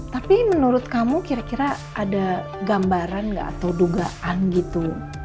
tapi menurut kamu kira kira ada gambaran nggak atau dugaan gitu